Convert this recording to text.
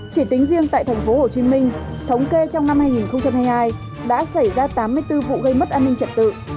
chỉ tính riêng tại tp hcm thống kê trong năm hai nghìn hai mươi hai đã xảy ra tám mươi bốn vụ gây mất an ninh trật tự